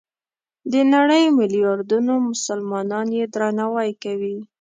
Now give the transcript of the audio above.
د نړۍ ملیاردونو مسلمانان یې درناوی کوي.